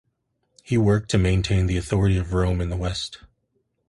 He worked to maintain the authority of Rome in the West.